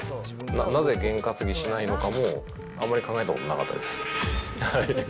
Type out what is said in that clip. なぜゲン担ぎしないのかも、あまり考えたことなかったです。